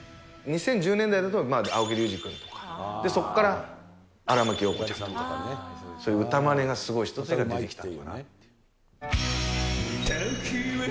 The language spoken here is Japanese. ２０１０年代だと青木隆治くんとか、そこから荒牧陽子ちゃんとか、そういう歌まねがすごい人が出てきた。